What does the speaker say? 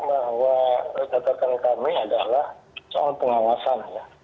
bahwa catatan kami adalah soal pengawasannya